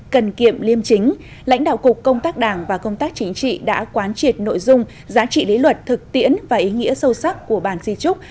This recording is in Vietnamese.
cần kiệm liêm chính lãnh đạo cục công tác đảng và công tác chính trị đã quán triệt nội dung giá trị lý luận thực tiễn và ý nghĩa sâu sắc của bàn di trúc